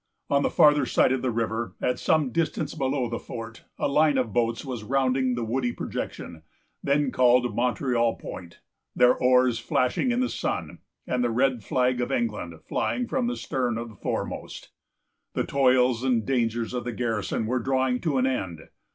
On the farther side of the river, at some distance below the fort, a line of boats was rounding the woody projection, then called Montreal Point, their oars flashing in the sun, and the red flag of England flying from the stern of the foremost. The toils and dangers of the garrison were drawing to an end.